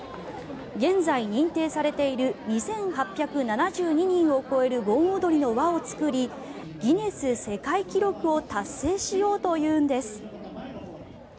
現在、認定されている２８７２人を超える盆踊りの輪を作りギネス世界記録を達成しようというんです。